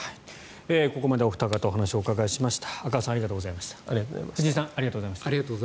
ここまでお二方にお話をお伺いしました。